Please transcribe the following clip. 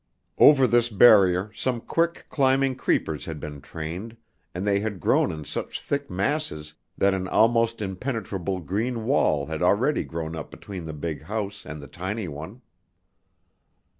Over this barrier some quick climbing creepers had been trained, and they had grown in such thick masses that an almost impenetrable green wall had already grown up between the big house and the tiny one.